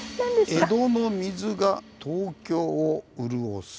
「江戸の水が東京を潤す」。